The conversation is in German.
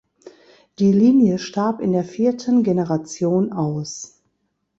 Die Linie starb in der vierten Generation aus.